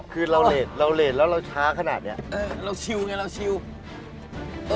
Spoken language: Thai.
เพราะว่าหลายชั่วโมงแล้วนะ